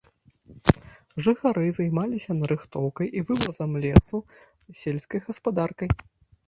Жыхары займаліся нарыхтоўкай і вывазам лесу, сельскай гаспадаркай.